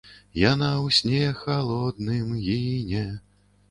Яна ў сне халодным гіне!